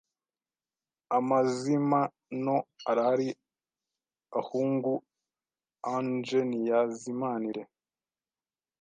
Amazimano arahari ahungu ange niazimanire